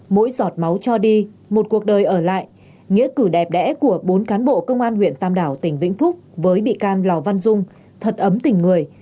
mỗi giọt máu cho đi một cuộc đời ở lại nghĩa cử đẹp đẽ của bốn cán bộ công an huyện tam đảo tỉnh vĩnh phúc với bị can lò văn dung thật ấm tình người